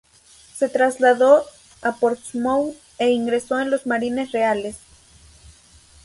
Se trasladó a Portsmouth e ingresó en los Marines Reales.